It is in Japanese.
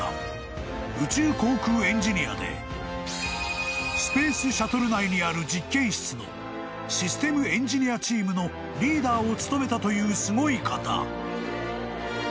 ［宇宙航空エンジニアでスペースシャトル内にある実験室のシステムエンジニアチームのリーダーを務めたというすごい方］